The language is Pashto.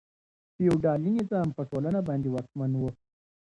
فیوډالي نظام په ټولنه باندې واکمن و.